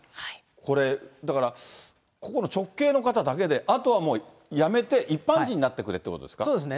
これ、だから、ここの直系の方だけで、あとはもうやめて一般人になってくれといそうですね。